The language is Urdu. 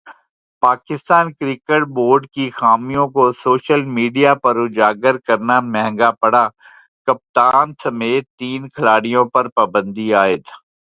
پاکستان کرکٹ بورڈ کی خامیوں کو سوشل میڈیا پر اجاگر کرنا پڑا مہنگا ، کپتان سمیت تین کھلاڑیوں پر پابندی عائد